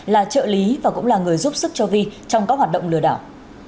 là trợ lý và cũng là người giúp sức cho vi trong các hoạt động lừa đảo